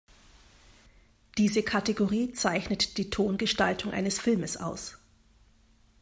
Diese Kategorie zeichnet die Tongestaltung eines Filmes aus.